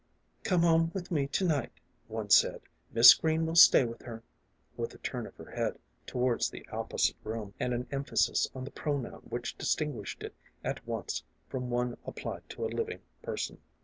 " Come home with me to night," one said ;" Miss Green will stay with her" with a turn of her head towards the opposite room, and an emphasis on the pronoun which distinguished it at once from one applied to a living per son.